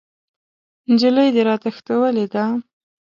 نجلۍ دې راتښتولې ده!